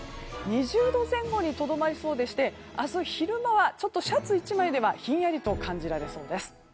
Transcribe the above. ２０度前後にとどまりそうで明日昼間はシャツ１枚ではひんやり感じられそうです。